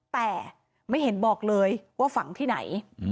แต่ไม่เห็นบอกเลยว่าฝังที่ไหน